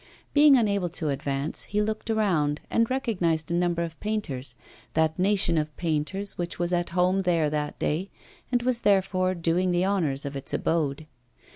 Being unable to advance, he looked around, and recognised a number of painters, that nation of painters which was at home there that day, and was therefore doing the honours of its abode.